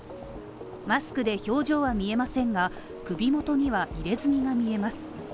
マスクで表情は見えませんが、首元には入れ墨が見えます。